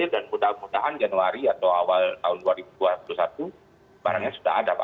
dan mudah mudahan januari atau awal tahun dua ribu dua puluh satu barangnya sudah ada pak